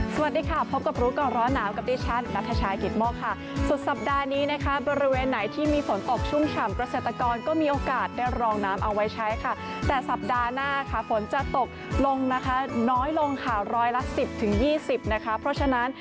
สวัสดีค่ะพบกับรู้ก่อนร้อนหนาวกับดิฉันนัทชายกิตโมกค่ะสุดสัปดาห์นี้นะคะบริเวณไหนที่มีฝนตกชุ่มฉ่ำเกษตรกรก็มีโอกาสได้รองน้ำเอาไว้ใช้ค่ะแต่สัปดาห์หน้าค่ะฝนจะตกลงนะคะน้อยลงค่ะร้อยละสิบถึงยี่สิบนะคะเพราะฉะนั้น